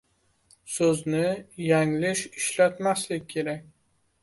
Soʻzni yanglish ishlatmaslik kerak